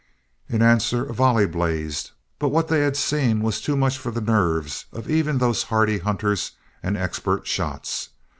In answer, a volley blazed, but what they had seen was too much for the nerves of even those hardy hunters and expert shots.